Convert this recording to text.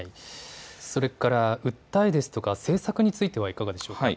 それから訴えですとか政策についてはいかがでしょうか。